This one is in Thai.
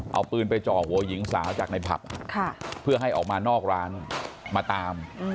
เอาปืนไปจ่อหัวหญิงสาวจากในผับเพื่อให้ออกมานอกร้านมาตาม